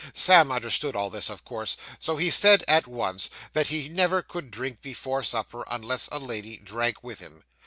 Sam understood all this, of course, so he said at once, that he never could drink before supper, unless a lady drank with him.